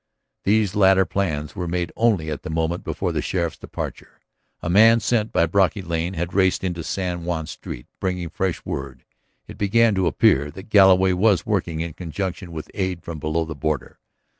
These latter plans were made only at the moment before the sheriff's departure. A man sent by Brocky Lane had raced into San Juan's street, bringing fresh word. It began to appear that Galloway was working in conjunction with aid from below the border.